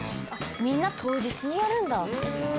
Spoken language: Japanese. みんな当日にやるんだ